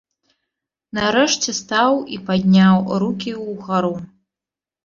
Нарэшце стаў і падняў рукі ўгару.